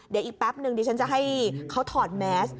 เดี๋ยวอีกแป๊บนึงดิฉันจะให้เขาถอดแมส